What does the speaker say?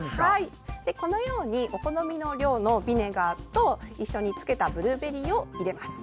このようにお好みの量のビネガーと一緒に漬けたブルーベリーを入れます。